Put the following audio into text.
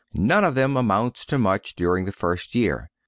None of them amounts to much during the first year.